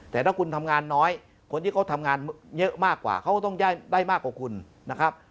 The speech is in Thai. แต่ถ้าคุณทำงานน้อยคนที่เขาทำงานเยอะมากกว่าเขาต้องได้มากกว่าคุณนะครับ